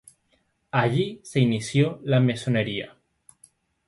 Allí se inició en la masonería.